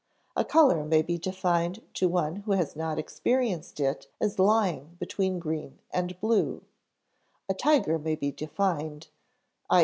A color may be defined to one who has not experienced it as lying between green and blue; a tiger may be defined (_i.